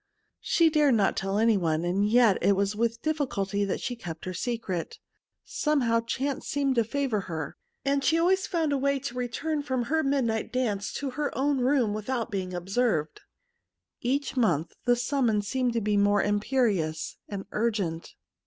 She dared not tell anyone, and yet it was with difficulty that she kept her secret. Somehow chance seemed to favour her, and she always found a way to return from her midnight dance to her own room' without being ob served. Each month the summons seemed to be more imperious and urgent.